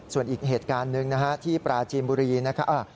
ส่วนอีกเหตุการณ์หนึ่งนะฮะที่ปราจีนบุรีนะครับ